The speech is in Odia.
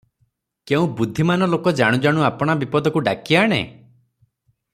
କେଉଁ ବୁଦ୍ଧିମାନ ଲୋକ ଜାଣୁ ଜାଣୁ ଆପଣା ବିପଦକୁ ଡାକିଆଣେ?